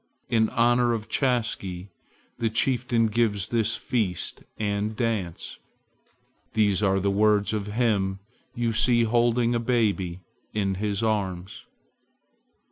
In honor of Chaske the chieftain gives this feast and dance! These are the words of him you see holding a baby in his arms."